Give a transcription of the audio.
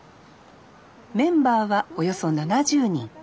メンバーはおよそ７０人。